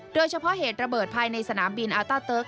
โดยเฉพาะเหตุระเบิดภายในสนามบินอัลต้าเติ๊ก